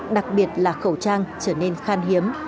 đặc biệt là khẩu trang trở nên khan hiếm